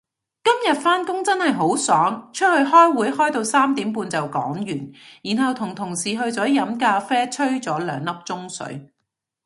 今日返工真係好爽，出去開會開到三點半就講完，然後同同事去咗飲咖啡吹咗兩粒鐘水